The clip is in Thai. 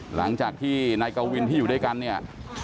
หลังจากที่นายกวินที่อยู่ด้วยกันเนี่ย